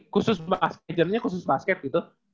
khusus basketernya khusus basket gitu